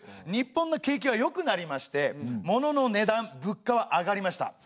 日本の景気はよくなりましてものの値段物価は上がりました。